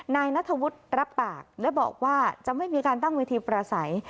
นายนัทวุฒิรับปากและบอกว่าจะไม่มีการตั้งเวทีประสัย